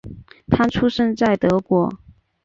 他出生在德国。